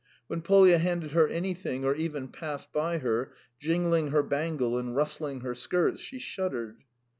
When Polya handed her anything or even passed by her, jingling her bangle and rustling her skirts, she shuddered.